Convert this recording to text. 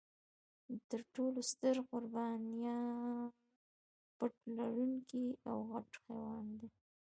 تر ټولو ستر قربانیان پت لرونکي او غټ حیوانات و.